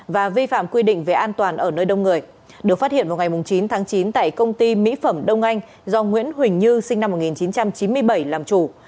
và vi phạm quy định về an toàn ở nơi đông người được phát hiện vào ngày chín tháng chín tại công ty mỹ phẩm đông anh do nguyễn huỳnh như sinh năm một nghìn chín trăm chín mươi bảy làm chủ